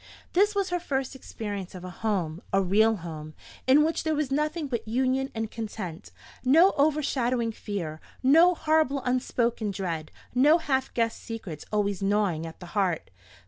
This was her first experience of a home, a real home, in which there was nothing but union and content; no overshadowing fear, no horrible unspoken dread, no half guessed secrets always gnawing at the heart.